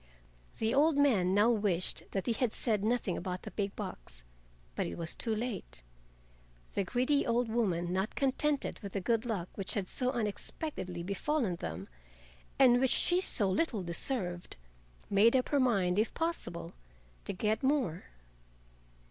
The old man now wished that he had said nothing about the big box, but it was too late; the greedy old woman, not contented with the good luck which had so unexpectedly befallen them and which she so little deserved, made up her mind, if possible, to get more.